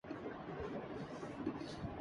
یسویں صدی میں قدیم لاہور کے مضافات میں کئی